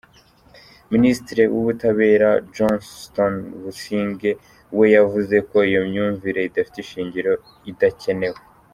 Minisitiri w’Ubutabera, Johnston Busingye, we yavuze ko ‘iyo myumvire idafite ishingiro idakenewe’.